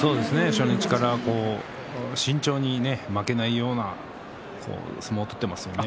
初日から慎重に、負けないような相撲を取っていますよね。